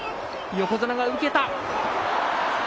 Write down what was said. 横綱が受けた。